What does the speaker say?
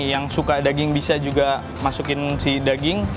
yang suka daging bisa juga masukin si daging